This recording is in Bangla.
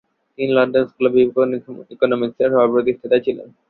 তিনি লন্ডন স্কুল অব ইকোনমিক্সের সহ-প্রতিষ্ঠাতা ছিলেন।